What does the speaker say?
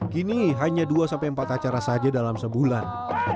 kini hanya dua sampai empat acara saja dalam sebulan